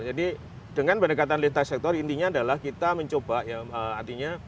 jadi dengan pendekatan lintas sektor intinya adalah kita mencoba ya artinya